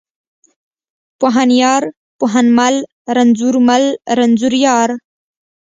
پوهنيار، پوهنمل، رنځورمل، رنځوریار.